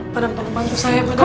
madan tolong bantu saya madan